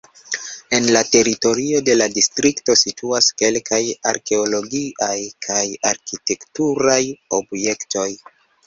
En la teritorio de la distrikto situas kelkaj arkeologiaj kaj arkitekturaj objektoj.